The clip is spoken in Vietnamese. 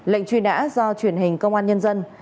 lệnh truy nã do truyền hình công an nhân dân